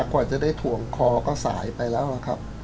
กว่าจะได้ถ่วงคอก็สายไปแล้วนะครับ